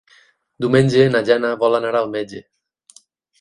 Diumenge na Jana vol anar al metge.